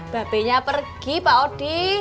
baabe nya pergi pak odi